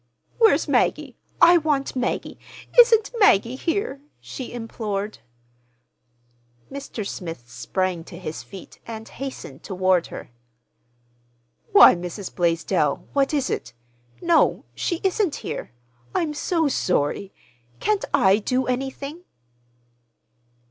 "Where's Maggie? I want Maggie! Isn't Maggie here?" she implored. Mr. Smith sprang to his feet and hastened toward her. "Why, Mrs. Blaisdell, what is it? No, she isn't here. I'm so sorry! Can't I do—anything?"